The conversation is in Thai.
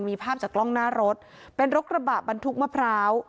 มีภาพจากกล้องหน้ารถเป็นรถกระบะบรรทุกมะพร้าว